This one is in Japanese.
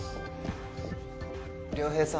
涼平さん